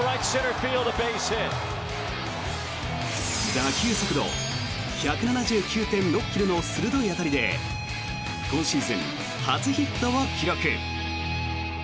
打球速度１７９．６ｋｍの鋭い当たりで今シーズン初ヒットを記録。